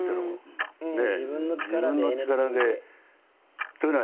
自分の力で。